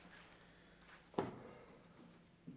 gak ada apa apa